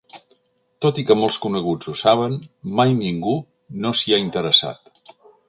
Tot i que molts coneguts ho saben, mai ningú no s'hi ha interessat.